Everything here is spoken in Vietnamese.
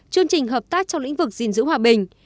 chương trình hợp tác trong lĩnh vực gìn giữ hòa bình